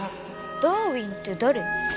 ダーウィンって誰？